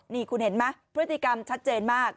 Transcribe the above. นี่คุณเห็นไหมพฤติกรรมชัดเจนมาก